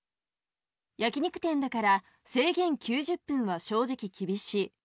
焼き肉店だから制限９０分は正直厳しい。